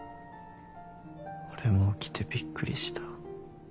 俺も起きてびっくりした。